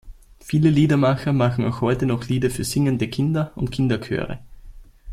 Viele Liedermacher machen auch heute noch Lieder für "singende Kinder" und Kinderchöre.